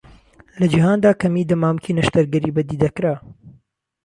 لە جیهاندا کەمی دەمامکی نەشتەرگەری بەدیدەکرا.